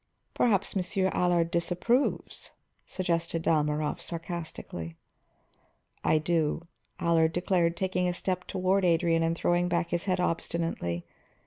"Perhaps Monsieur Allard disapproves," suggested Dalmorov sarcastically. "I do," Allard declared, taking a step toward Adrian and throwing back his head obstinately.